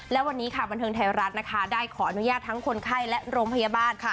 และวันนี้ค่ะบันเทิงไทยรัฐนะคะได้ขออนุญาตทั้งคนไข้และโรงพยาบาล